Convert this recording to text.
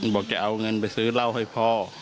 บอกจะเอาเงินไปซื้อเหล้าให้พ่อ